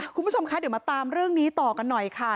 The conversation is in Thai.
คุณผู้ชมคะเดี๋ยวมาตามเรื่องนี้ต่อกันหน่อยค่ะ